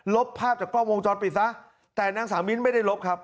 บภาพจากกล้องวงจรปิดซะแต่นางสาวมิ้นไม่ได้ลบครับ